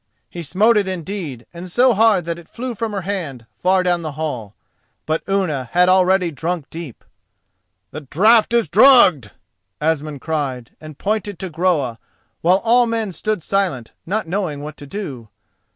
He smote it indeed, and so hard that it flew from her hand far down the hall. But Unna had already drunk deep. "The draught is drugged!" Asmund cried, and pointed to Groa, while all men stood silent, not knowing what to do.